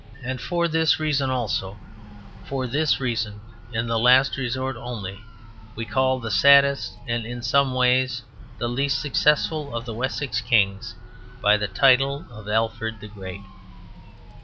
And for this reason also, for this reason, in the last resort, only, we call the saddest and in some ways the least successful of the Wessex kings by the title of Alfred the Great.